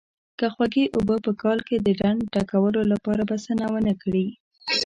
که خوږې اوبه په کال کې د ډنډ ډکولو لپاره بسنه ونه کړي.